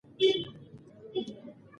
دا د یوه عالي شخصیت نښه ده.